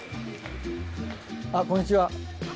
あっこんにちは。